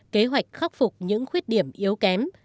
kế hoạch khắc phục những khuyết điểm yếu kém